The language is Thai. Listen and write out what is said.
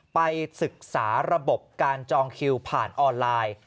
ไปศึกษาระบบการจองคิวผ่านออนไลน์